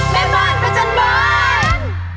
แม่บ้านประจำบาน